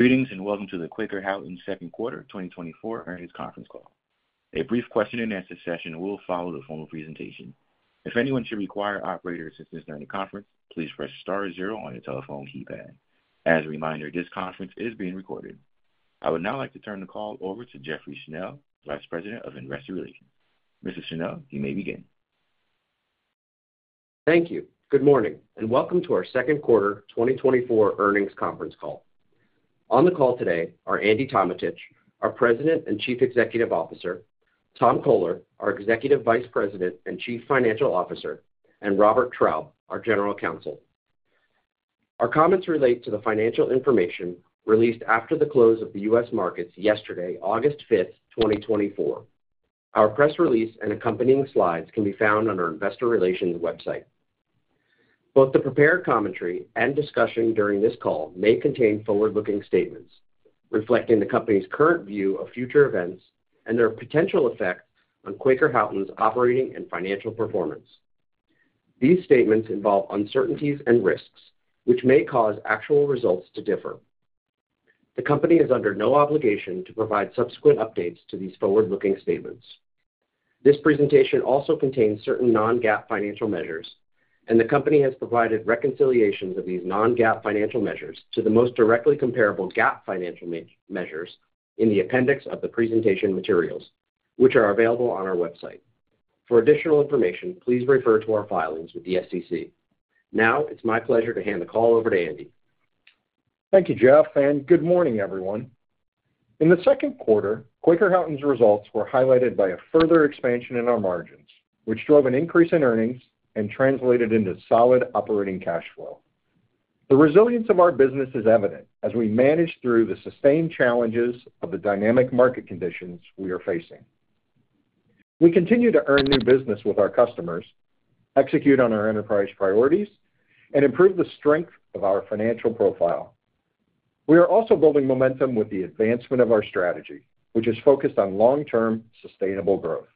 Greetings, and welcome to the Quaker Houghton second quarter 2024 earnings conference call. A brief question and answer session will follow the formal presentation. If anyone should require operator assistance during the conference, please press star zero on your telephone keypad. As a reminder, this conference is being recorded. I would now like to turn the call over to Jeffrey Schnell, Vice President of Investor Relations. Mr. Schnell, you may begin. Thank you. Good morning, and welcome to our second quarter 2024 earnings conference call. On the call today are Andy Tometich, our President and Chief Executive Officer, Tom Coler, our Executive Vice President and Chief Financial Officer, and Robert Traub, our General Counsel. Our comments relate to the financial information released after the close of the U.S. markets yesterday, August 5, 2024. Our press release and accompanying slides can be found on our investor relations website. Both the prepared commentary and discussion during this call may contain forward-looking statements reflecting the company's current view of future events and their potential effect on Quaker Houghton's operating and financial performance. These statements involve uncertainties and risks which may cause actual results to differ. The company is under no obligation to provide subsequent updates to these forward-looking statements. This presentation also contains certain non-GAAP financial measures, and the company has provided reconciliations of these non-GAAP financial measures to the most directly comparable GAAP financial measures in the appendix of the presentation materials, which are available on our website. For additional information, please refer to our filings with the SEC. Now, it's my pleasure to hand the call over to Andy. Thank you, Jeff, and good morning, everyone. In the second quarter, Quaker Houghton's results were highlighted by a further expansion in our margins, which drove an increase in earnings and translated into solid operating cash flow. The resilience of our business is evident as we manage through the sustained challenges of the dynamic market conditions we are facing. We continue to earn new business with our customers, execute on our enterprise priorities, and improve the strength of our financial profile. We are also building momentum with the advancement of our strategy, which is focused on long-term sustainable growth.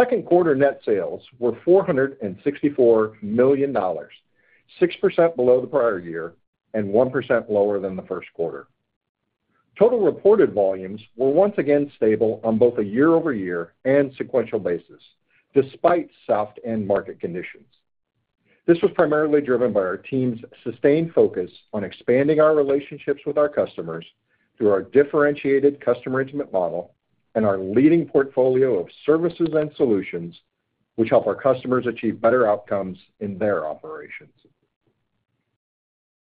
Second quarter net sales were $464 million, 6% below the prior year and 1% lower than the first quarter. Total reported volumes were once again stable on both a year-over-year and sequential basis, despite soft end market conditions. This was primarily driven by our team's sustained focus on expanding our relationships with our customers through our differentiated customer intimate model and our leading portfolio of services and solutions, which help our customers achieve better outcomes in their operations.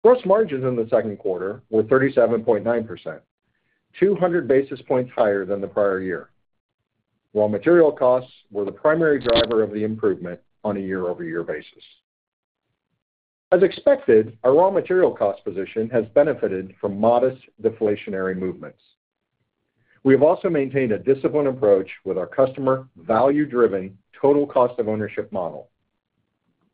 Gross margins in the second quarter were 37.9%, 200 basis points higher than the prior year, while material costs were the primary driver of the improvement on a year-over-year basis. As expected, our raw material cost position has benefited from modest deflationary movements. We have also maintained a disciplined approach with our customer value-driven total cost of ownership model.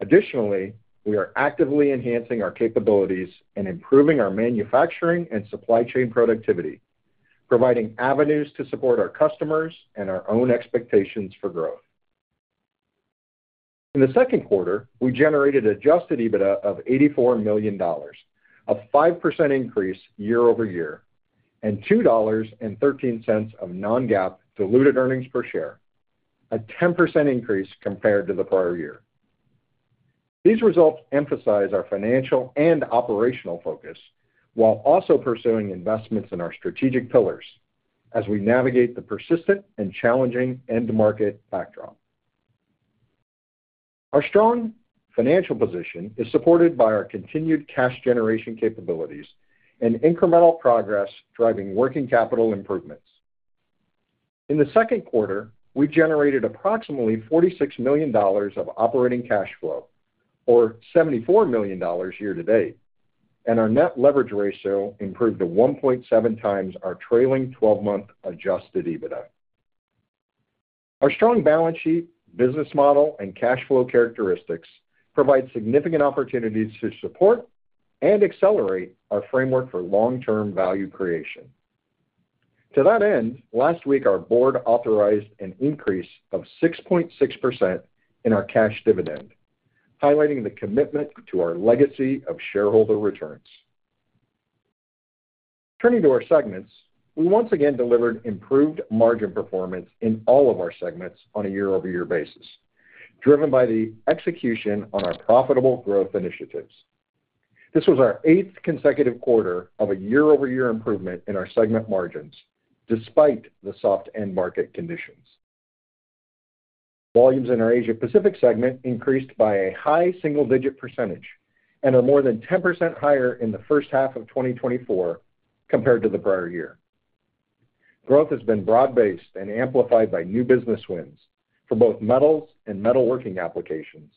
Additionally, we are actively enhancing our capabilities and improving our manufacturing and supply chain productivity, providing avenues to support our customers and our own expectations for growth. In the second quarter, we generated Adjusted EBITDA of $84 million, a 5% increase year-over-year, and $2.13 of non-GAAP diluted earnings per share, a 10% increase compared to the prior year. These results emphasize our financial and operational focus while also pursuing investments in our strategic pillars as we navigate the persistent and challenging end market backdrop. Our strong financial position is supported by our continued cash generation capabilities and incremental progress driving working capital improvements. In the second quarter, we generated approximately $46 million of operating cash flow, or $74 million year-to-date, and our net leverage ratio improved to 1.7 times our trailing 12-month Adjusted EBITDA. Our strong balance sheet, business model, and cash flow characteristics provide significant opportunities to support and accelerate our framework for long-term value creation. To that end, last week, our board authorized an increase of 6.6% in our cash dividend, highlighting the commitment to our legacy of shareholder returns. Turning to our segments, we once again delivered improved margin performance in all of our segments on a year-over-year basis, driven by the execution on our profitable growth initiatives. This was our eighth consecutive quarter of a year-over-year improvement in our segment margins, despite the soft end market conditions. Volumes in our Asia Pacific segment increased by a high single-digit percentage and are more than 10% higher in the first half of 2024 compared to the prior year. Growth has been broad-based and amplified by new business wins for both metals and metalworking applications,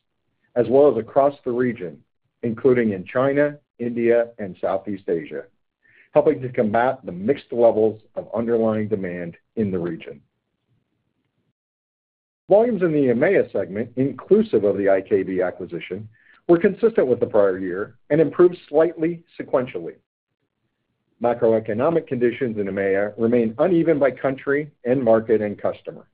as well as across the region, including in China, India, and Southeast Asia, helping to combat the mixed levels of underlying demand in the region. Volumes in the EMEA segment, inclusive of the IKV acquisition, were consistent with the prior year and improved slightly sequentially. Macroeconomic conditions in EMEA remain uneven by country and market and customer.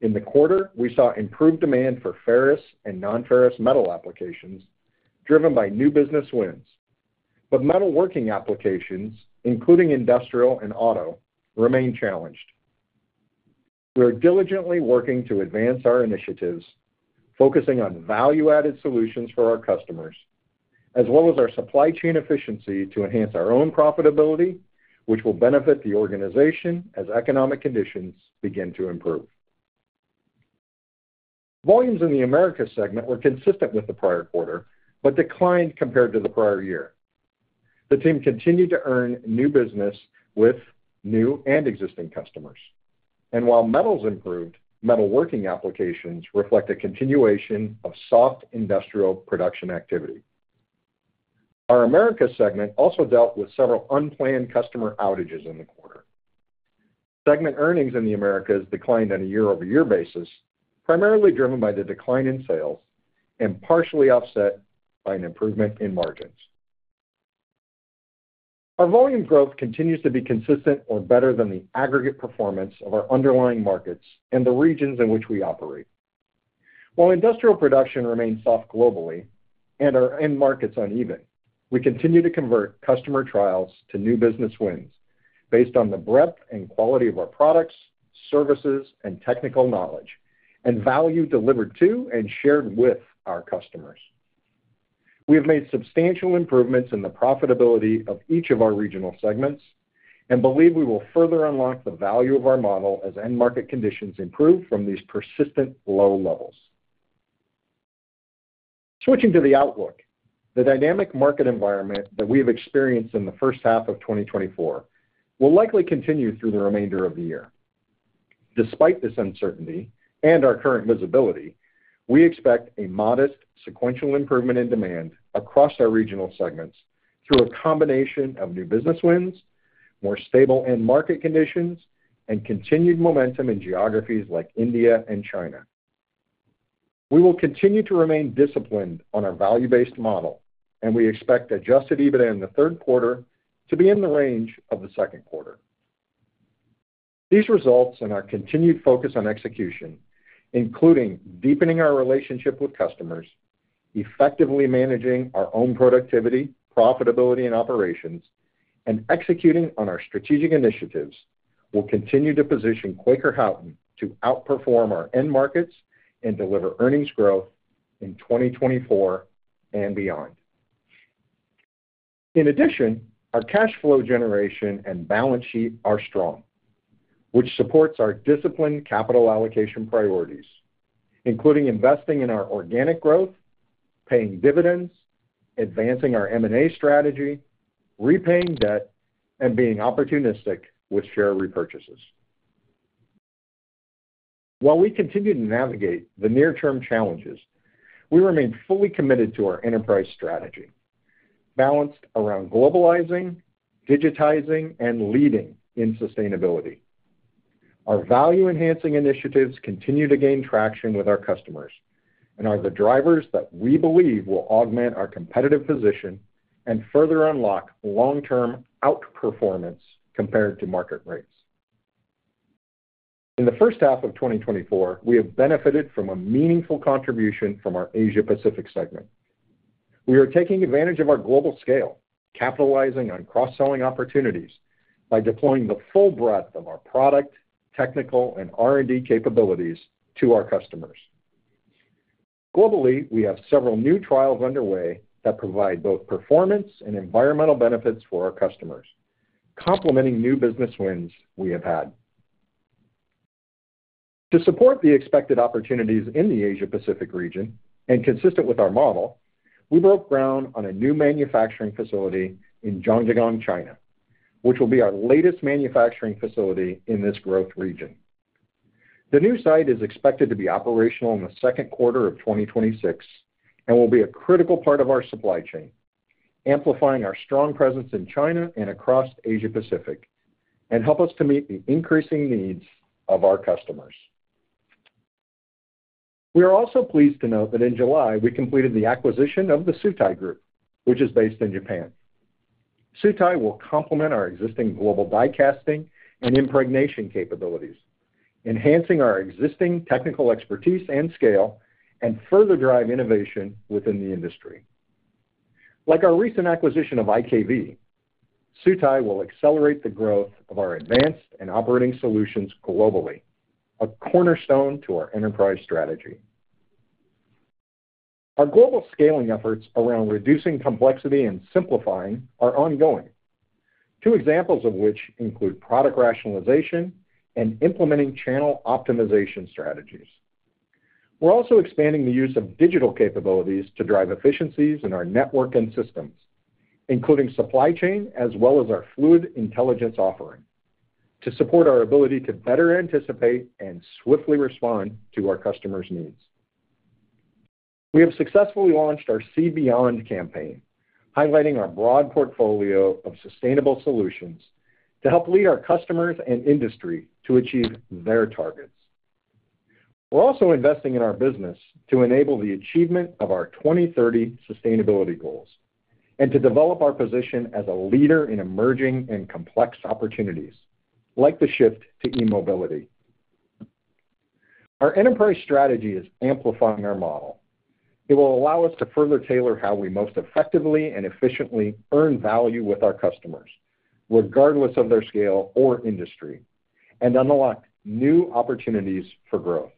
In the quarter, we saw improved demand for ferrous and nonferrous metal applications, driven by new business wins. But metalworking applications, including industrial and auto, remain challenged. We are diligently working to advance our initiatives, focusing on value-added solutions for our customers, as well as our supply chain efficiency to enhance our own profitability, which will benefit the organization as economic conditions begin to improve. Volumes in the Americas segment were consistent with the prior quarter, but declined compared to the prior year. The team continued to earn new business with new and existing customers, and while metals improved, metalworking applications reflect a continuation of soft industrial production activity. Our Americas segment also dealt with several unplanned customer outages in the quarter. Segment earnings in the Americas declined on a year-over-year basis, primarily driven by the decline in sales and partially offset by an improvement in margins. Our volume growth continues to be consistent or better than the aggregate performance of our underlying markets and the regions in which we operate. While industrial production remains soft globally and our end markets uneven, we continue to convert customer trials to new business wins based on the breadth and quality of our products, services, and technical knowledge, and value delivered to and shared with our customers. We have made substantial improvements in the profitability of each of our regional segments and believe we will further unlock the value of our model as end market conditions improve from these persistent low levels. Switching to the outlook, the dynamic market environment that we have experienced in the first half of 2024 will likely continue through the remainder of the year. Despite this uncertainty and our current visibility, we expect a modest sequential improvement in demand across our regional segments through a combination of new business wins, more stable end market conditions, and continued momentum in geographies like India and China. We will continue to remain disciplined on our value-based model, and we expect adjusted EBITDA in the third quarter to be in the range of the second quarter. These results and our continued focus on execution, including deepening our relationship with customers, effectively managing our own productivity, profitability, and operations, and executing on our strategic initiatives, will continue to position Quaker Houghton to outperform our end markets and deliver earnings growth in 2024 and beyond. In addition, our cash flow generation and balance sheet are strong, which supports our disciplined capital allocation priorities, including investing in our organic growth, paying dividends, advancing our M&A strategy, repaying debt, and being opportunistic with share repurchases. While we continue to navigate the near-term challenges, we remain fully committed to our enterprise strategy, balanced around globalizing, digitizing, and leading in sustainability. Our value-enhancing initiatives continue to gain traction with our customers and are the drivers that we believe will augment our competitive position and further unlock long-term outperformance compared to market rates. In the first half of 2024, we have benefited from a meaningful contribution from our Asia Pacific segment. We are taking advantage of our global scale, capitalizing on cross-selling opportunities by deploying the full breadth of our product, technical, and R&D capabilities to our customers. Globally, we have several new trials underway that provide both performance and environmental benefits for our customers, complementing new business wins we have had. To support the expected opportunities in the Asia Pacific region and consistent with our model, we broke ground on a new manufacturing facility in Zhangjiagang, China, which will be our latest manufacturing facility in this growth region. The new site is expected to be operational in the second quarter of 2026 and will be a critical part of our supply chain, amplifying our strong presence in China and across Asia Pacific, and help us to meet the increasing needs of our customers. We are also pleased to note that in July, we completed the acquisition of the Sutai Group, which is based in Japan. Sutai will complement our existing global die casting and impregnation capabilities, enhancing our existing technical expertise and scale, and further drive innovation within the industry. Like our recent acquisition of IKV, Sutai will accelerate the growth of our advanced and operating solutions globally, a cornerstone to our enterprise strategy. Our global scaling efforts around reducing complexity and simplifying are ongoing. Two examples of which include product rationalization and implementing channel optimization strategies. We're also expanding the use of digital capabilities to drive efficiencies in our network and systems, including supply chain, as well as our Fluid Intelligence offering, to support our ability to better anticipate and swiftly respond to our customers' needs. We have successfully launched our See Beyond campaign, highlighting our broad portfolio of sustainable solutions to help lead our customers and industry to achieve their targets. We're also investing in our business to enable the achievement of our 2030 sustainability goals... and to develop our position as a leader in emerging and complex opportunities, like the shift to e-mobility. Our enterprise strategy is amplifying our model. It will allow us to further tailor how we most effectively and efficiently earn value with our customers, regardless of their scale or industry, and unlock new opportunities for growth.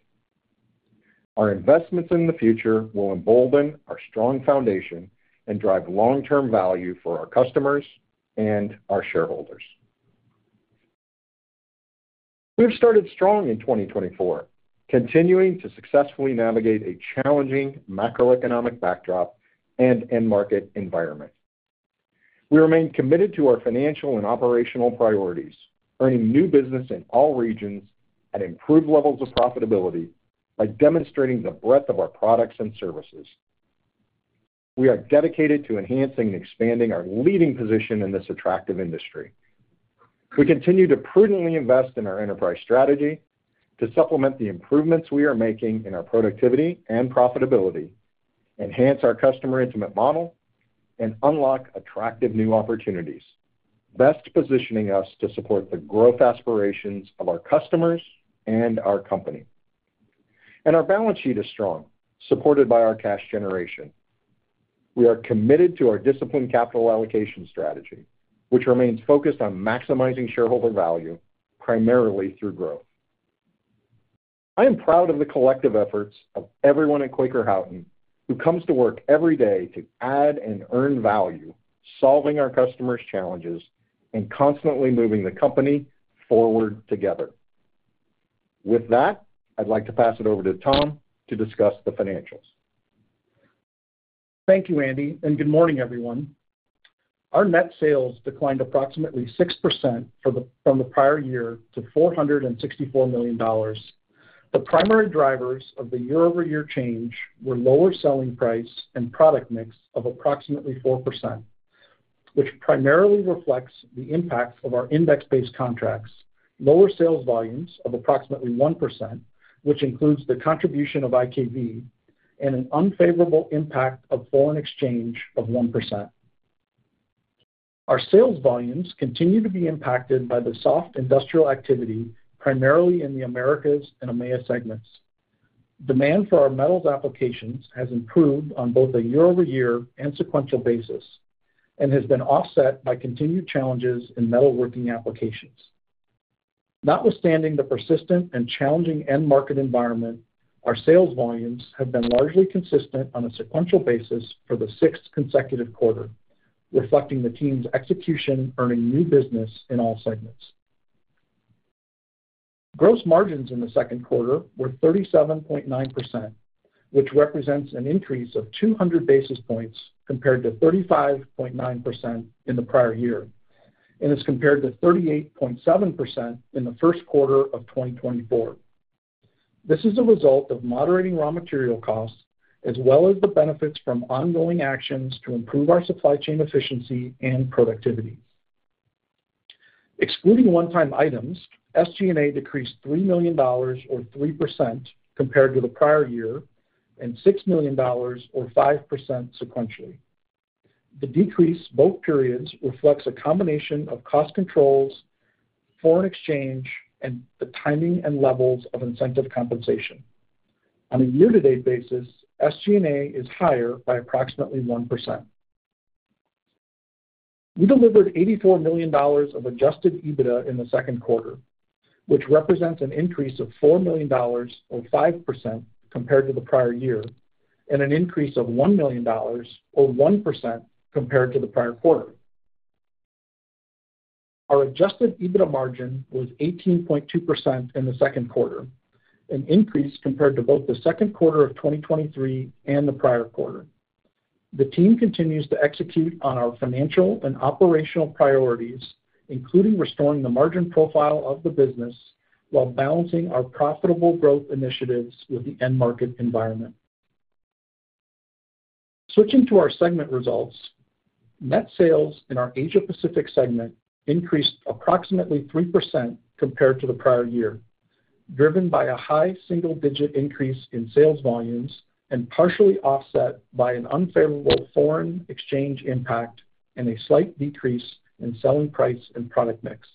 Our investments in the future will embolden our strong foundation and drive long-term value for our customers and our shareholders. We've started strong in 2024, continuing to successfully navigate a challenging macroeconomic backdrop and end market environment. We remain committed to our financial and operational priorities, earning new business in all regions at improved levels of profitability by demonstrating the breadth of our products and services. We are dedicated to enhancing and expanding our leading position in this attractive industry. We continue to prudently invest in our enterprise strategy to supplement the improvements we are making in our productivity and profitability, enhance our customer-intimate model, and unlock attractive new opportunities, best positioning us to support the growth aspirations of our customers and our company. Our balance sheet is strong, supported by our cash generation. We are committed to our disciplined capital allocation strategy, which remains focused on maximizing shareholder value, primarily through growth. I am proud of the collective efforts of everyone at Quaker Houghton who comes to work every day to add and earn value, solving our customers' challenges and constantly moving the company forward together. With that, I'd like to pass it over to Tom to discuss the financials. Thank you, Andy, and good morning, everyone. Our net sales declined approximately 6% from the prior year to $464 million. The primary drivers of the year-over-year change were lower selling price and product mix of approximately 4%, which primarily reflects the impact of our index-based contracts, lower sales volumes of approximately 1%, which includes the contribution of IKV, and an unfavorable impact of foreign exchange of 1%. Our sales volumes continue to be impacted by the soft industrial activity, primarily in the Americas and EMEA segments. Demand for our metals applications has improved on both a year-over-year and sequential basis and has been offset by continued challenges in metalworking applications. Notwithstanding the persistent and challenging end market environment, our sales volumes have been largely consistent on a sequential basis for the sixth consecutive quarter, reflecting the team's execution, earning new business in all segments. Gross margins in the second quarter were 37.9%, which represents an increase of 200 basis points compared to 35.9% in the prior year, and is compared to 38.7% in the first quarter of 2024. This is a result of moderating raw material costs, as well as the benefits from ongoing actions to improve our supply chain efficiency and productivity. Excluding one-time items, SG&A decreased $3 million or 3% compared to the prior year, and $6 million or 5% sequentially. The decrease both periods reflects a combination of cost controls, foreign exchange, and the timing and levels of incentive compensation. On a year-to-date basis, SG&A is higher by approximately 1%. We delivered $84 million of adjusted EBITDA in the second quarter, which represents an increase of $4 million or 5% compared to the prior year, and an increase of $1 million or 1% compared to the prior quarter. Our adjusted EBITDA margin was 18.2% in the second quarter, an increase compared to both the second quarter of 2023 and the prior quarter. The team continues to execute on our financial and operational priorities, including restoring the margin profile of the business, while balancing our profitable growth initiatives with the end market environment. Switching to our segment results, net sales in our Asia Pacific segment increased approximately 3% compared to the prior year, driven by a high single-digit increase in sales volumes and partially offset by an unfavorable foreign exchange impact and a slight decrease in selling price and product mix.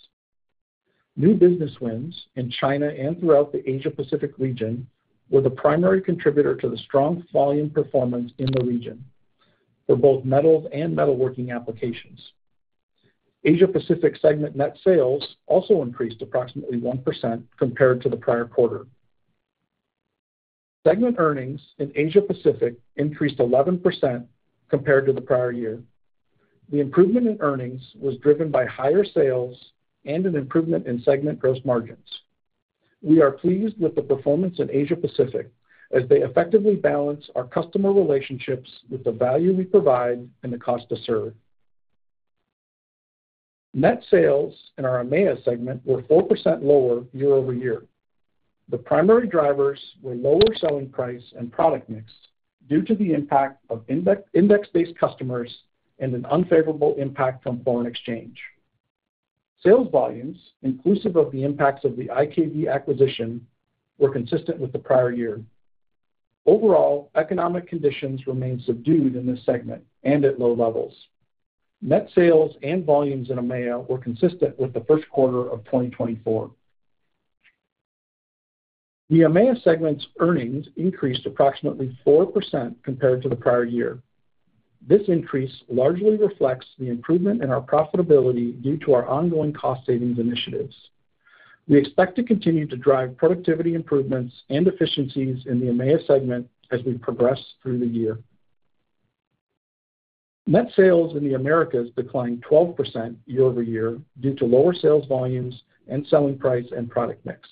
New business wins in China and throughout the Asia Pacific region were the primary contributor to the strong volume performance in the region for both metals and metalworking applications. Asia Pacific segment net sales also increased approximately 1% compared to the prior quarter. Segment earnings in Asia Pacific increased 11% compared to the prior year. The improvement in earnings was driven by higher sales and an improvement in segment gross margins. We are pleased with the performance in Asia Pacific, as they effectively balance our customer relationships with the value we provide and the cost to serve. Net sales in our EMEA segment were 4% lower year-over-year. The primary drivers were lower selling price and product mix due to the impact of index-based customers and an unfavorable impact from foreign exchange. Sales volumes, inclusive of the impacts of the IKV acquisition, were consistent with the prior year. Overall, economic conditions remained subdued in this segment and at low levels. Net sales and volumes in EMEA were consistent with the first quarter of 2024. The EMEA segment's earnings increased approximately 4% compared to the prior year. This increase largely reflects the improvement in our profitability due to our ongoing cost savings initiatives. We expect to continue to drive productivity improvements and efficiencies in the EMEA segment as we progress through the year. Net sales in the Americas declined 12% year-over-year due to lower sales volumes and selling price and product mix.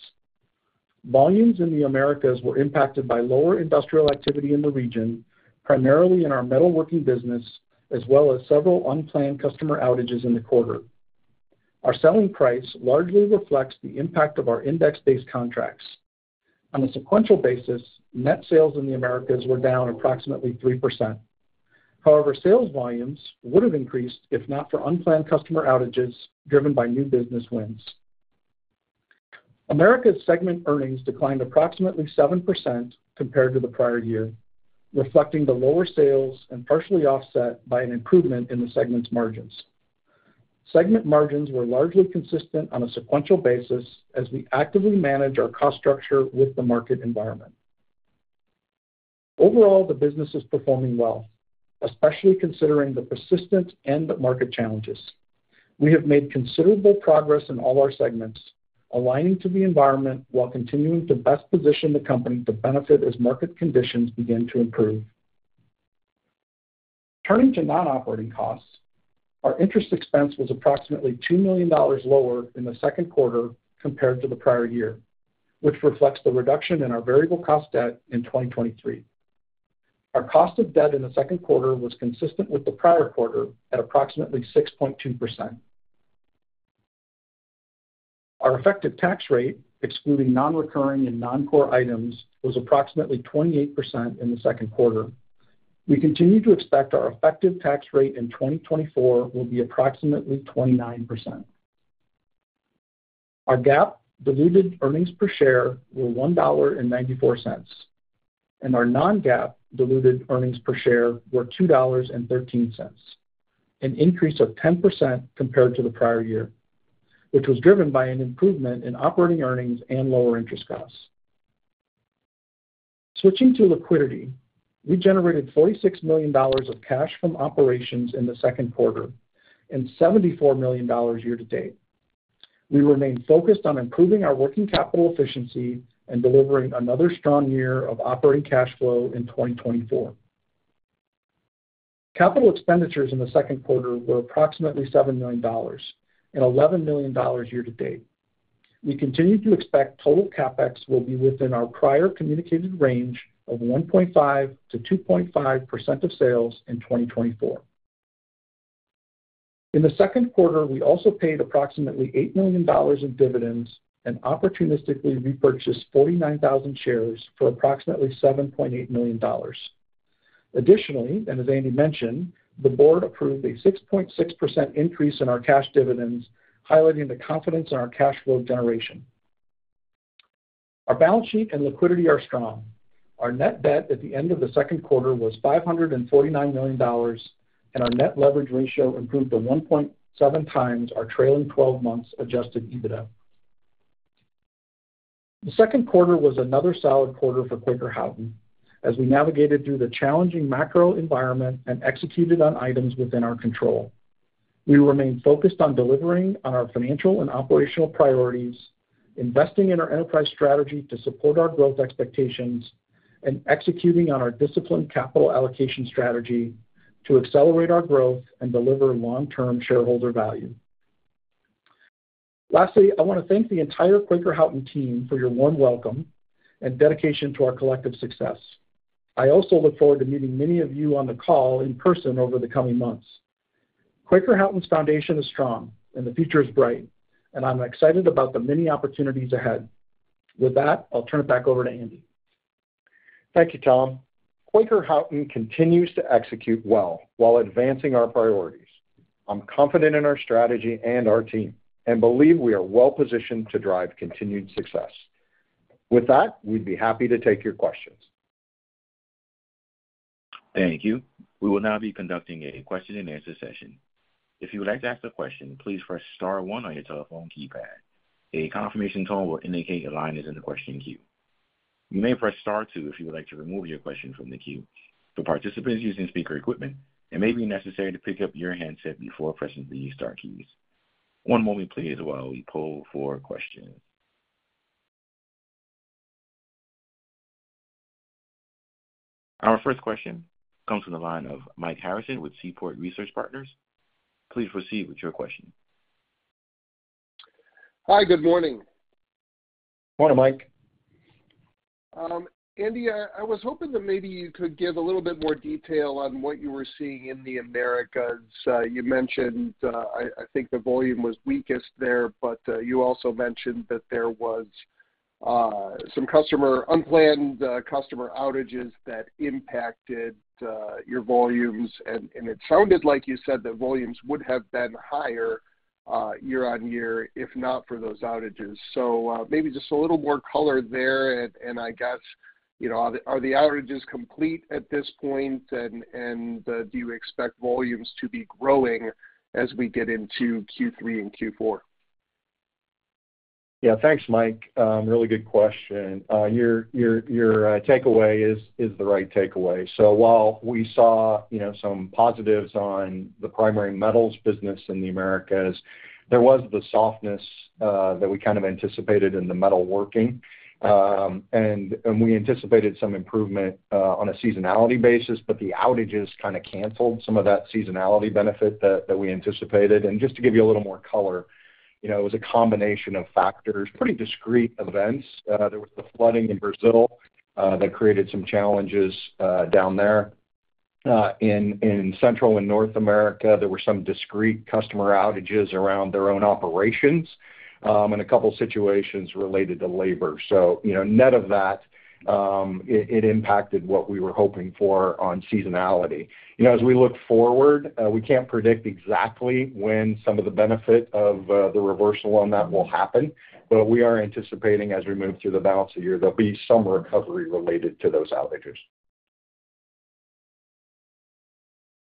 Volumes in the Americas were impacted by lower industrial activity in the region, primarily in our metalworking business, as well as several unplanned customer outages in the quarter. Our selling price largely reflects the impact of our index-based contracts. On a sequential basis, net sales in the Americas were down approximately 3%. However, sales volumes would have increased if not for unplanned customer outages driven by new business wins. Americas segment earnings declined approximately 7% compared to the prior year, reflecting the lower sales and partially offset by an improvement in the segment's margins. Segment margins were largely consistent on a sequential basis as we actively manage our cost structure with the market environment. Overall, the business is performing well, especially considering the persistent end market challenges. We have made considerable progress in all our segments, aligning to the environment while continuing to best position the company to benefit as market conditions begin to improve. Turning to non-operating costs, our interest expense was approximately $2 million lower in the second quarter compared to the prior year, which reflects the reduction in our variable cost debt in 2023. Our cost of debt in the second quarter was consistent with the prior quarter at approximately 6.2%. Our effective tax rate, excluding nonrecurring and non-core items, was approximately 28% in the second quarter. We continue to expect our effective tax rate in 2024 will be approximately 29%. Our GAAP diluted earnings per share were $1.94, and our non-GAAP diluted earnings per share were $2.13, an increase of 10% compared to the prior year, which was driven by an improvement in operating earnings and lower interest costs. Switching to liquidity, we generated $46 million of cash from operations in the second quarter and $74 million year to date. We remain focused on improving our working capital efficiency and delivering another strong year of operating cash flow in 2024. Capital expenditures in the second quarter were approximately $7 million and $11 million year to date. We continue to expect total CapEx will be within our prior communicated range of 1.5%-2.5% of sales in 2024. In the second quarter, we also paid approximately $8 million in dividends and opportunistically repurchased 49,000 shares for approximately $7.8 million. Additionally, and as Andy mentioned, the board approved a 6.6% increase in our cash dividends, highlighting the confidence in our cash flow generation. Our balance sheet and liquidity are strong. Our net debt at the end of the second quarter was $549 million, and our net leverage ratio improved to 1.7 times our trailing twelve months Adjusted EBITDA. The second quarter was another solid quarter for Quaker Houghton, as we navigated through the challenging macro environment and executed on items within our control. We remain focused on delivering on our financial and operational priorities, investing in our enterprise strategy to support our growth expectations, and executing on our disciplined capital allocation strategy to accelerate our growth and deliver long-term shareholder value. Lastly, I want to thank the entire Quaker Houghton team for your warm welcome and dedication to our collective success. I also look forward to meeting many of you on the call in person over the coming months. Quaker Houghton's foundation is strong, and the future is bright, and I'm excited about the many opportunities ahead. With that, I'll turn it back over to Andy. Thank you, Tom. Quaker Houghton continues to execute well while advancing our priorities. I'm confident in our strategy and our team and believe we are well positioned to drive continued success. With that, we'd be happy to take your questions. Thank you. We will now be conducting a question-and-answer session. If you would like to ask a question, please press star one on your telephone keypad. A confirmation tone will indicate your line is in the question queue. You may press star two if you would like to remove your question from the queue. For participants using speaker equipment, it may be necessary to pick up your handset before pressing the star keys. One moment, please, while we poll for questions. Our first question comes from the line of Mike Harrison with Seaport Research Partners. Please proceed with your question. Hi, good morning. Morning, Mike. Andy, I was hoping that maybe you could give a little bit more detail on what you were seeing in the Americas. You mentioned, I think the volume was weakest there, but you also mentioned that there was some unplanned customer outages that impacted your volumes. It sounded like you said that volumes would have been higher year-over-year, if not for those outages. So, maybe just a little more color there. And, do you expect volumes to be growing as we get into Q3 and Q4? Yeah, thanks, Mike. Really good question. Your takeaway is the right takeaway. So while we saw, you know, some positives on the primary metals business in the Americas, there was the softness that we kind of anticipated in the metalworking. And we anticipated some improvement on a seasonality basis, but the outages kind of canceled some of that seasonality benefit that we anticipated. And just to give you a little more color, you know, it was a combination of factors, pretty discrete events. There was the flooding in Brazil that created some challenges down there. In Central and North America, there were some discrete customer outages around their own operations, and a couple situations related to labor. So, you know, net of that, it impacted what we were hoping for on seasonality. You know, as we look forward, we can't predict exactly when some of the benefit of, the reversal on that will happen, but we are anticipating as we move through the balance of the year, there'll be some recovery related to those outages.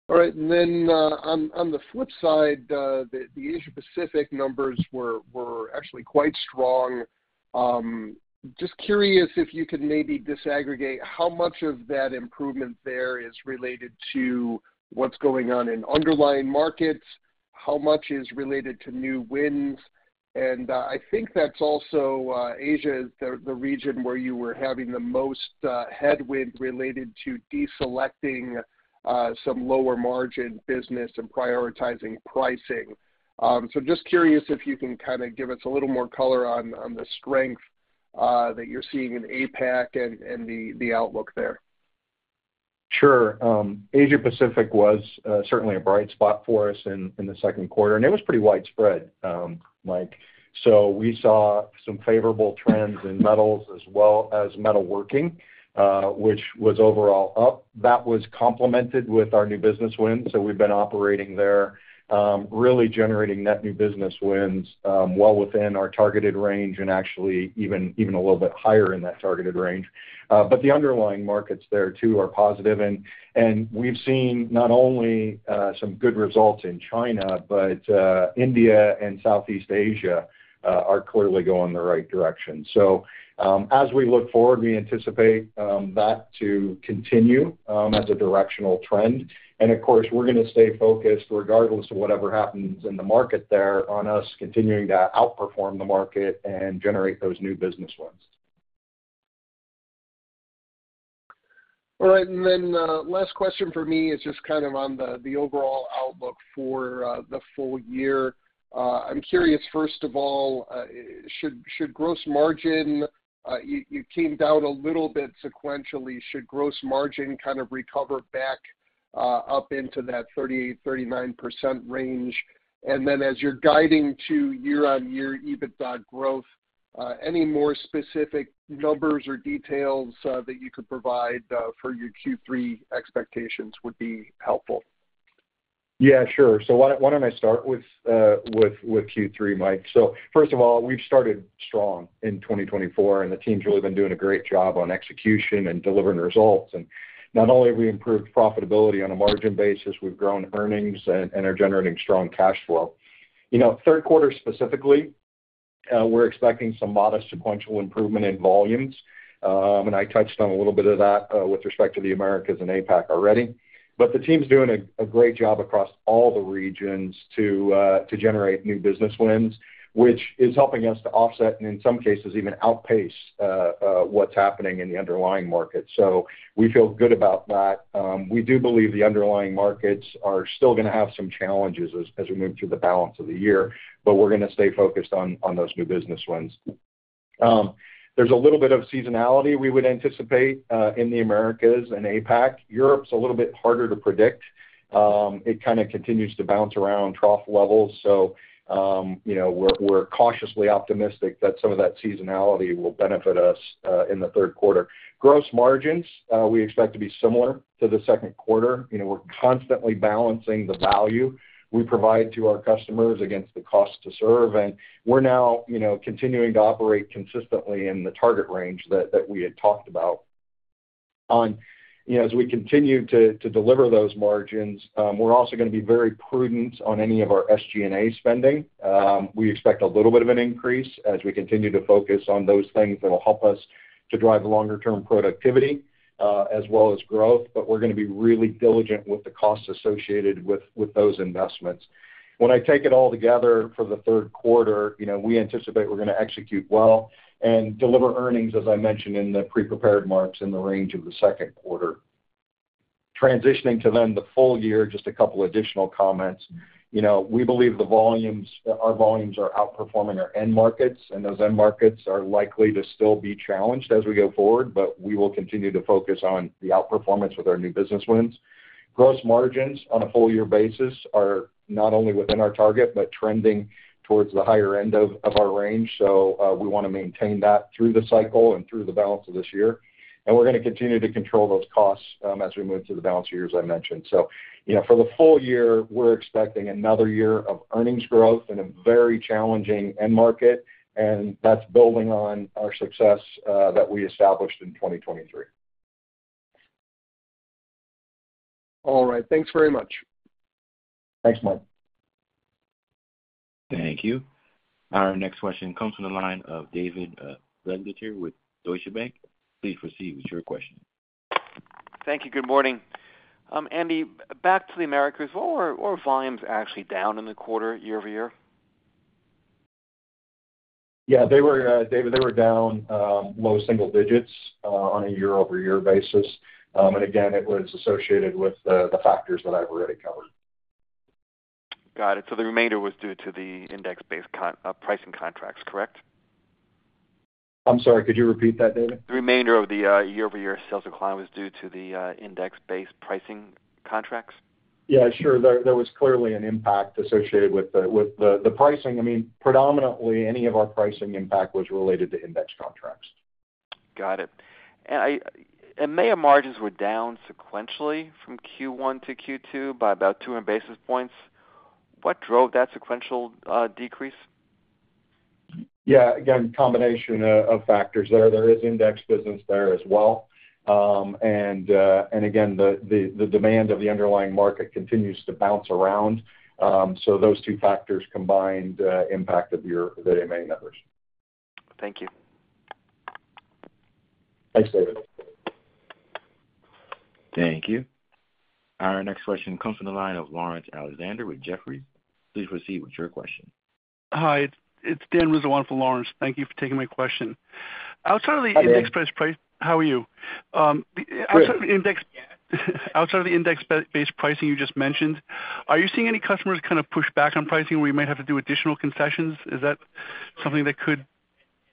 All right. And then, on the flip side, the Asia Pacific numbers were actually quite strong. Just curious if you could maybe disaggregate how much of that improvement there is related to what's going on in underlying markets, how much is related to new wins? And, I think that's also Asia is the region where you were having the most headwind related to deselecting some lower margin business and prioritizing pricing. So just curious if you can kind of give us a little more color on the strength that you're seeing in APAC and the outlook there. Sure. Asia Pacific was certainly a bright spot for us in the second quarter, and it was pretty widespread, Mike. So we saw some favorable trends in metals as well as metalworking, which was overall up. That was complemented with our new business wins, so we've been operating there, really generating net new business wins, well within our targeted range and actually even a little bit higher in that targeted range. But the underlying markets there, too, are positive. And we've seen not only some good results in China, but India and Southeast Asia are clearly going in the right direction. So, as we look forward, we anticipate that to continue as a directional trend. Of course, we're gonna stay focused regardless of whatever happens in the market there on us continuing to outperform the market and generate those new business wins. All right. And then, last question for me is just kind of on the overall outlook for the full year. I'm curious, first of all, should gross margin, you came down a little bit sequentially. Should gross margin kind of recover back up into that 38%-39% range? And then as you're guiding to year-on-year EBITDA growth, any more specific numbers or details that you could provide for your Q3 expectations would be helpful. Yeah, sure. So why don't I start with Q3, Mike? So first of all, we've started strong in 2024, and the team's really been doing a great job on execution and delivering results. And not only have we improved profitability on a margin basis, we've grown earnings and are generating strong cash flow. You know, third quarter specifically, we're expecting some modest sequential improvement in volumes. And I touched on a little bit of that with respect to the Americas and APAC already. But the team's doing a great job across all the regions to generate new business wins, which is helping us to offset, and in some cases, even outpace, what's happening in the underlying market. So we feel good about that. We do believe the underlying markets are still gonna have some challenges as, as we move through the balance of the year, but we're gonna stay focused on, on those new business wins. There's a little bit of seasonality we would anticipate in the Americas and APAC. Europe's a little bit harder to predict. It kind of continues to bounce around trough levels. So, you know, we're, we're cautiously optimistic that some of that seasonality will benefit us in the third quarter. Gross margins, we expect to be similar to the second quarter. You know, we're constantly balancing the value we provide to our customers against the cost to serve, and we're now, you know, continuing to operate consistently in the target range that, that we had talked about. You know, as we continue to deliver those margins, we're also gonna be very prudent on any of our SG&A spending. We expect a little bit of an increase as we continue to focus on those things that will help us to drive longer term productivity, as well as growth, but we're gonna be really diligent with the costs associated with those investments. When I take it all together for the third quarter, you know, we anticipate we're gonna execute well and deliver earnings, as I mentioned in the pre-prepared marks, in the range of the second quarter... transitioning to then the full year, just a couple additional comments. You know, we believe the volumes, our volumes are outperforming our end markets, and those end markets are likely to still be challenged as we go forward, but we will continue to focus on the outperformance with our new business wins. Gross margins on a full year basis are not only within our target, but trending towards the higher end of our range. So, we wanna maintain that through the cycle and through the balance of this year. And we're gonna continue to control those costs, as we move through the balance of the year, as I mentioned. So, you know, for the full year, we're expecting another year of earnings growth in a very challenging end market, and that's building on our success, that we established in 2023. All right. Thanks very much. Thanks, Mike. Thank you. Our next question comes from the line of David Begleiter with Deutsche Bank. Please proceed with your question. Thank you. Good morning. Andy, back to the Americas, were volumes actually down in the quarter, year-over-year? Yeah, they were, David, they were down low single digits on a year-over-year basis. And again, it was associated with the factors that I've already covered. Got it. So the remainder was due to the index-based pricing contracts, correct? I'm sorry, could you repeat that, David? The remainder of the year-over-year sales decline was due to the index-based pricing contracts? Yeah, sure. There was clearly an impact associated with the pricing. I mean, predominantly, any of our pricing impact was related to index contracts. Got it. And MAA margins were down sequentially from Q1 to Q2 by about 200 basis points. What drove that sequential decrease? Yeah, again, combination of factors there. There is index business there as well. And again, the demand of the underlying market continues to bounce around. So those two factors combined impact of your, the M&A numbers. Thank you. Thanks, David. Thank you. Our next question comes from the line of Lawrence Alexander with Jefferies. Please proceed with your question. Hi, it's Dan Rizzo for Lawrence. Thank you for taking my question. Hi, Dan. Outside of the index price, how are you? Good. Outside of the index, outside of the index-based pricing you just mentioned, are you seeing any customers kind of push back on pricing, where you might have to do additional concessions? Is that something that could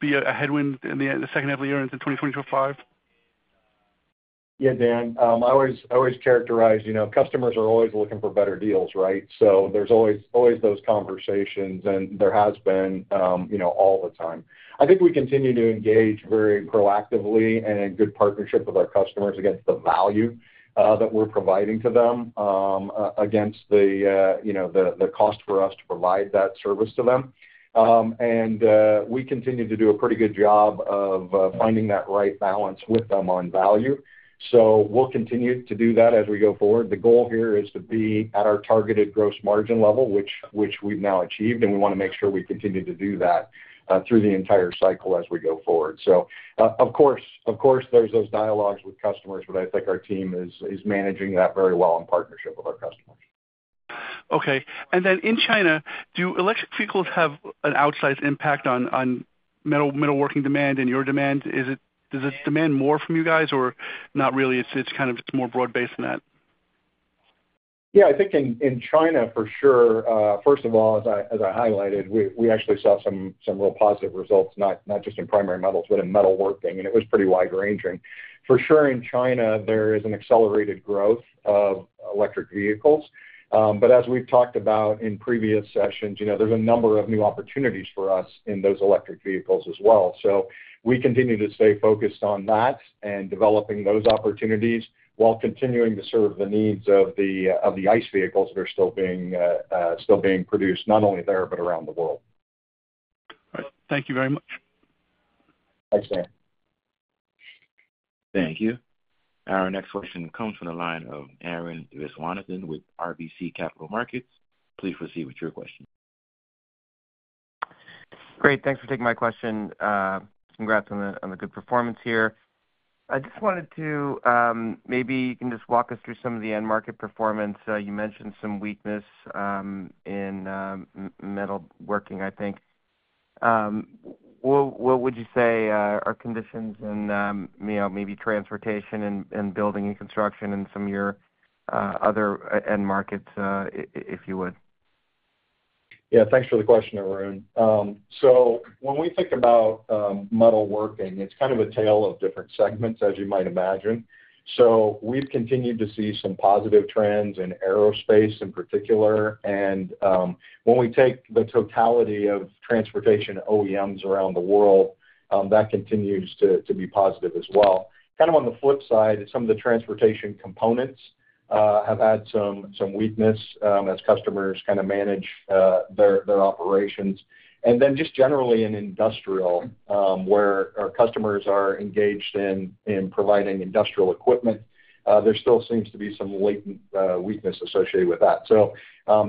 be a headwind in the end, the second half of the year into 2024-25? Yeah, Dan, I always characterize, you know, customers are always looking for better deals, right? So there's always those conversations, and there has been, you know, all the time. I think we continue to engage very proactively and in good partnership with our customers against the value that we're providing to them against the, you know, the cost for us to provide that service to them. And we continue to do a pretty good job of finding that right balance with them on value. So we'll continue to do that as we go forward. The goal here is to be at our targeted gross margin level, which we've now achieved, and we wanna make sure we continue to do that through the entire cycle as we go forward. So, of course, of course, there's those dialogues with customers, but I think our team is managing that very well in partnership with our customers. Okay. And then in China, do electric vehicles have an outsized impact on metalworking demand and your demand? Does it demand more from you guys, or not really, it's kind of more broad-based than that? Yeah, I think in China, for sure, first of all, as I highlighted, we actually saw some real positive results, not just in primary metals, but in metalworking, and it was pretty wide-ranging. For sure, in China, there is an accelerated growth of electric vehicles. But as we've talked about in previous sessions, you know, there's a number of new opportunities for us in those electric vehicles as well. So we continue to stay focused on that and developing those opportunities while continuing to serve the needs of the ICE vehicles that are still being produced, not only there, but around the world. All right. Thank you very much. Thanks, Dan. Thank you. Our next question comes from the line of Arun Viswanathan with RBC Capital Markets. Please proceed with your question. Great. Thanks for taking my question. Congrats on the good performance here. I just wanted to, maybe you can just walk us through some of the end market performance. You mentioned some weakness in metalworking, I think. What would you say are conditions in, you know, maybe transportation and building and construction in some of your other end markets, if you would? Yeah, thanks for the question, Arun. So when we think about metalworking, it's kind of a tale of different segments, as you might imagine. So we've continued to see some positive trends in aerospace in particular, and when we take the totality of transportation OEMs around the world, that continues to be positive as well. Kind of on the flip side, some of the transportation components have had some weakness, as customers kind of manage their operations. And then just generally in industrial, where our customers are engaged in providing industrial equipment, there still seems to be some latent weakness associated with that. So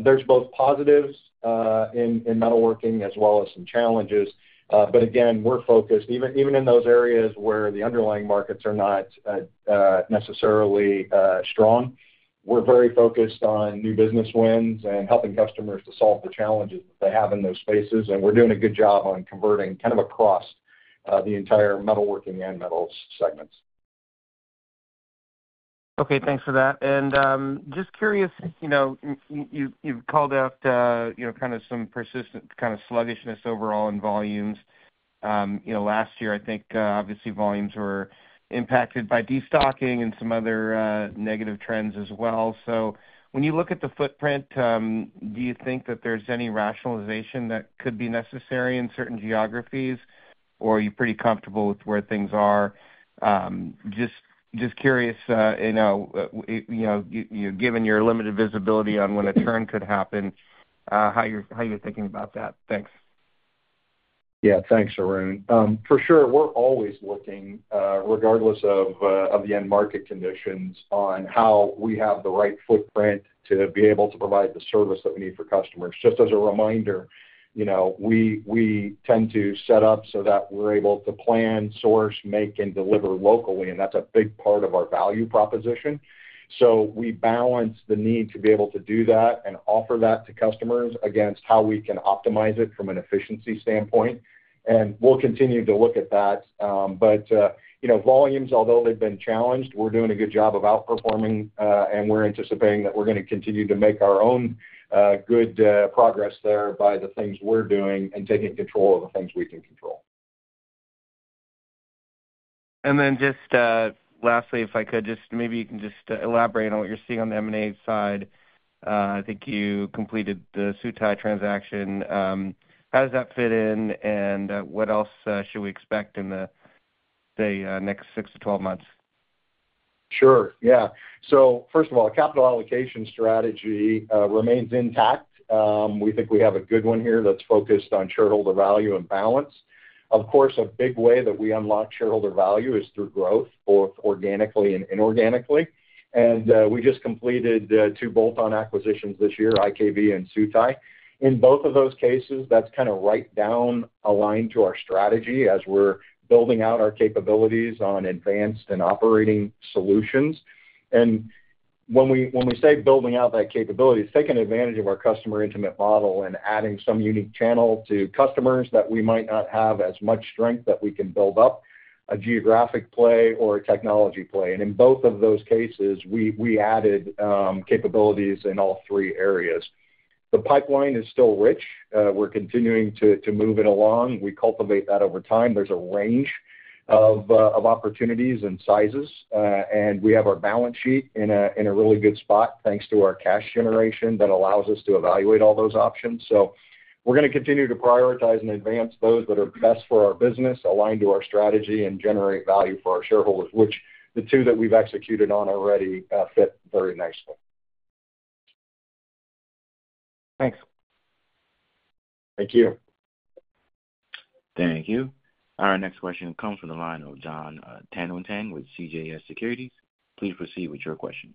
there's both positives in metalworking as well as some challenges. But again, we're focused, even, even in those areas where the underlying markets are not necessarily strong. We're very focused on new business wins and helping customers to solve the challenges that they have in those spaces, and we're doing a good job on converting kind of across the entire metalworking and metals segments. Okay, thanks for that. Just curious, you know, you've called out, you know, kind of some persistent kind of sluggishness overall in volumes. You know, last year, I think, obviously, volumes were impacted by destocking and some other negative trends as well. So when you look at the footprint, do you think that there's any rationalization that could be necessary in certain geographies, or are you pretty comfortable with where things are? Just curious, you know, you know, you, given your limited visibility on when a turn could happen, how you're thinking about that? Thanks. Yeah, thanks, Arun. For sure, we're always looking, regardless of the end market conditions, on how we have the right footprint to be able to provide the service that we need for customers. Just as a reminder, you know, we tend to set up so that we're able to plan, source, make, and deliver locally, and that's a big part of our value proposition. So we balance the need to be able to do that and offer that to customers against how we can optimize it from an efficiency standpoint, and we'll continue to look at that. But, you know, volumes, although they've been challenged, we're doing a good job of outperforming, and we're anticipating that we're gonna continue to make our own good progress there by the things we're doing and taking control of the things we can control. And then just, lastly, if I could, just maybe you can just elaborate on what you're seeing on the M&A side. I think you completed the Sutai transaction. How does that fit in, and what else should we expect in the, say, next 6 to 12 months? Sure. Yeah. So first of all, capital allocation strategy remains intact. We think we have a good one here that's focused on shareholder value and balance. Of course, a big way that we unlock shareholder value is through growth, both organically and inorganically. And we just completed two bolt-on acquisitions this year, IKV and Sutai. In both of those cases, that's kind of right down aligned to our strategy as we're building out our capabilities on advanced and operating solutions. And when we say building out that capability, it's taking advantage of our customer intimate model and adding some unique channel to customers that we might not have as much strength that we can build up, a geographic play or a technology play. And in both of those cases, we added capabilities in all three areas. The pipeline is still rich. We're continuing to move it along. We cultivate that over time. There's a range of opportunities and sizes, and we have our balance sheet in a really good spot, thanks to our cash generation, that allows us to evaluate all those options. So we're gonna continue to prioritize and advance those that are best for our business, aligned to our strategy and generate value for our shareholders, which the two that we've executed on already fit very nicely. Thanks. Thank you. Thank you. Our next question comes from the line of Jon Tanwanteng with CJS Securities. Please proceed with your question.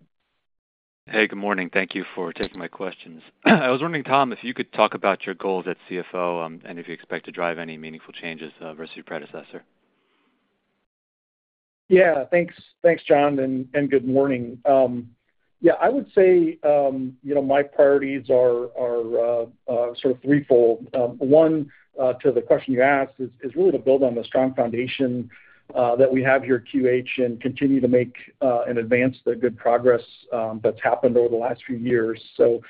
Hey, good morning. Thank you for taking my questions. I was wondering, Tom, if you could talk about your goals as CFO, and if you expect to drive any meaningful changes versus your predecessor. Yeah, thanks. Thanks, John, and good morning. Yeah, I would say, you know, my priorities are sort of threefold. One, to the question you asked is really to build on the strong foundation that we have here at QH and continue to make and advance the good progress that's happened over the last few years. So,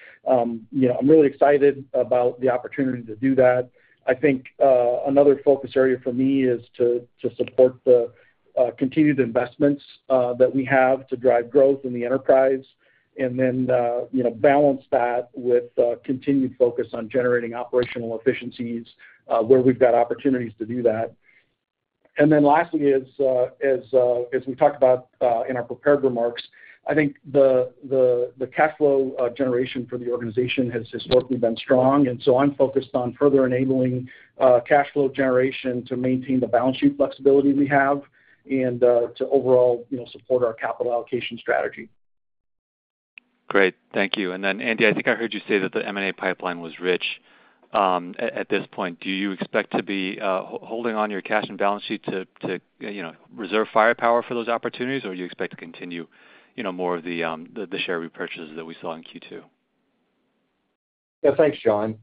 you know, I'm really excited about the opportunity to do that. I think another focus area for me is to support the continued investments that we have to drive growth in the enterprise and then, you know, balance that with continued focus on generating operational efficiencies where we've got opportunities to do that. Then lastly, as we talked about in our prepared remarks, I think the cash flow generation for the organization has historically been strong, and so I'm focused on further enabling cash flow generation to maintain the balance sheet flexibility we have and to overall, you know, support our capital allocation strategy. Great. Thank you. And then, Andy, I think I heard you say that the M&A pipeline was rich. At this point, do you expect to be holding on your cash and balance sheet to, to, you know, reserve firepower for those opportunities, or you expect to continue, you know, more of the share repurchases that we saw in Q2? Yeah, thanks, Jon.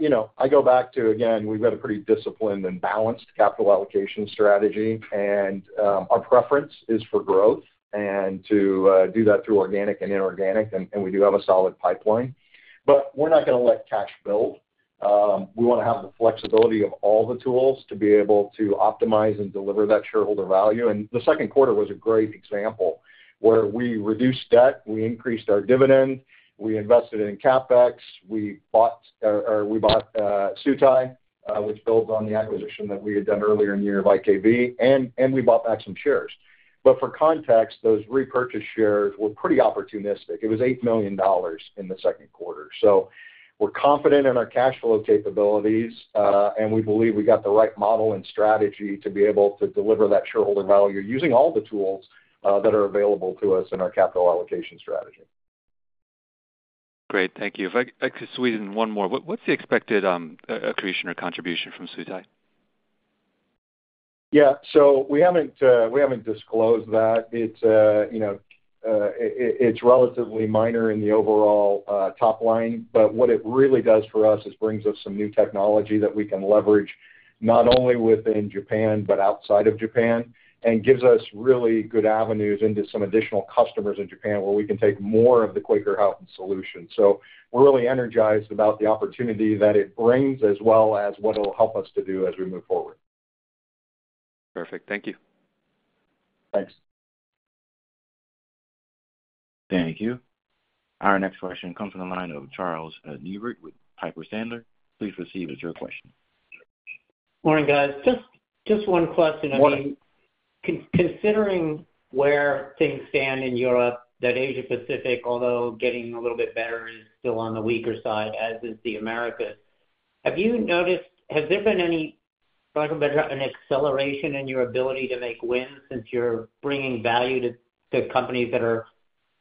You know, I go back to, again, we've got a pretty disciplined and balanced capital allocation strategy, and our preference is for growth and to do that through organic and inorganic, and we do have a solid pipeline. But we're not gonna let cash build. We wanna have the flexibility of all the tools to be able to optimize and deliver that shareholder value. And the second quarter was a great example, where we reduced debt, we increased our dividend, we invested in CapEx, we bought Sutai, which builds on the acquisition that we had done earlier in the year of IKV, and we bought back some shares. But for context, those repurchased shares were pretty opportunistic. It was $8 million in the second quarter. So we're confident in our cash flow capabilities, and we believe we got the right model and strategy to be able to deliver that shareholder value using all the tools that are available to us in our capital allocation strategy. Great, thank you. If I could squeeze in one more, what's the expected creation or contribution from Sutai?... Yeah, so we haven't, we haven't disclosed that. It's, you know, it's relatively minor in the overall top line, but what it really does for us is brings us some new technology that we can leverage, not only within Japan, but outside of Japan, and gives us really good avenues into some additional customers in Japan, where we can take more of the Quaker Houghton solution. So we're really energized about the opportunity that it brings, as well as what it'll help us to do as we move forward. Perfect. Thank you. Thanks. Thank you. Our next question comes from the line of Charles Neivert with Piper Sandler. Please proceed with your question. Morning, guys. Just, just one question. Morning. Considering where things stand in Europe, that Asia Pacific, although getting a little bit better, is still on the weaker side, as is the Americas. Have you noticed, has there been any talk about an acceleration in your ability to make wins since you're bringing value to, to companies that are,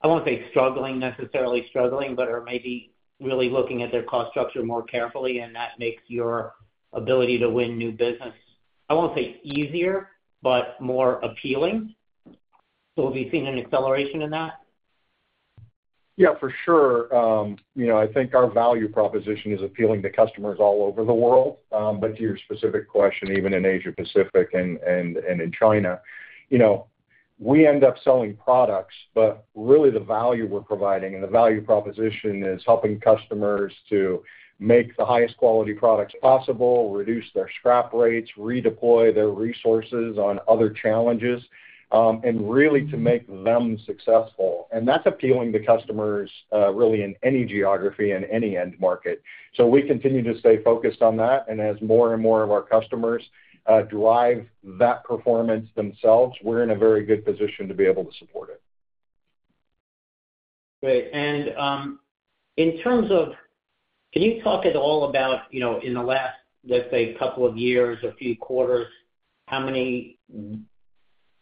I won't say struggling, necessarily struggling, but are maybe really looking at their cost structure more carefully, and that makes your ability to win new business, I won't say easier, but more appealing? So have you seen any acceleration in that? Yeah, for sure. You know, I think our value proposition is appealing to customers all over the world. But to your specific question, even in Asia Pacific and in China, you know, we end up selling products, but really the value we're providing and the value proposition is helping customers to make the highest quality products possible, reduce their scrap rates, redeploy their resources on other challenges, and really to make them successful. And that's appealing to customers, really in any geography and any end market. So we continue to stay focused on that, and as more and more of our customers derive that performance themselves, we're in a very good position to be able to support it. Great. And, in terms of, can you talk at all about, you know, in the last, let's say, couple of years or few quarters, how many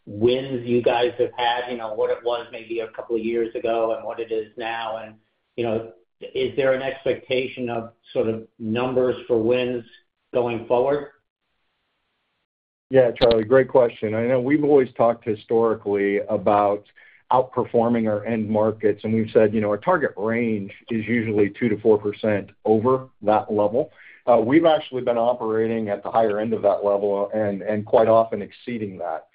wins you guys have had? You know, what it was maybe a couple of years ago and what it is now, and, you know, is there an expectation of sort of numbers for wins going forward? Yeah, Charlie, great question. I know we've always talked historically about outperforming our end markets, and we've said, you know, our target range is usually 2%-4% over that level. We've actually been operating at the higher end of that level and quite often exceeding that.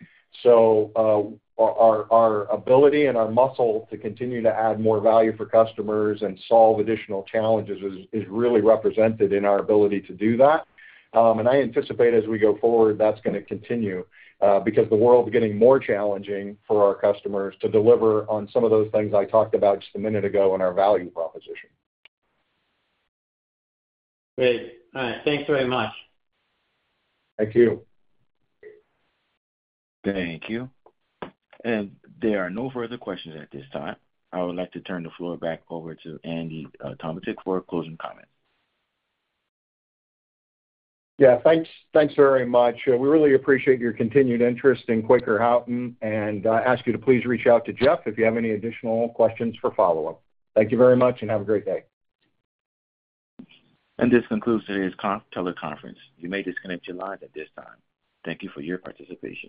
So, our ability and our muscle to continue to add more value for customers and solve additional challenges is really represented in our ability to do that. And I anticipate as we go forward, that's gonna continue, because the world's getting more challenging for our customers to deliver on some of those things I talked about just a minute ago on our value proposition. Great. All right, thanks very much. Thank you. Thank you. There are no further questions at this time. I would like to turn the floor back over to Andy Tometich for a closing comment. Yeah, thanks. Thanks very much. We really appreciate your continued interest in Quaker Houghton and ask you to please reach out to Jeff if you have any additional questions for follow-up. Thank you very much, and have a great day. This concludes today's teleconference. You may disconnect your line at this time. Thank you for your participation.